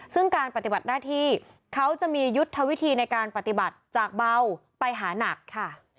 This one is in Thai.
ซึ่งการปฏิบัติหน้าที่เขาจะมียุทธวิธีในการปฏิบัติจากเบาไปหานักค่ะ